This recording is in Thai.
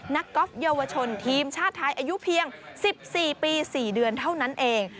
กอล์ฟเยาวชนทีมชาติไทยอายุเพียง๑๔ปี๔เดือนเท่านั้นเอง